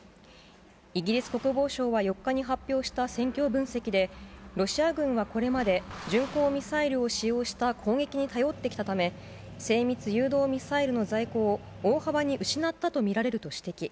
イギリス国防省は４日に発表した戦況分析で、ロシア軍はこれまで、巡航ミサイルを使用した攻撃に頼ってきたため、精密誘導ミサイルの在庫を大幅に失ったと見られると指摘。